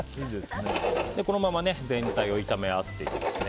このまま全体を炒め合わせていきます。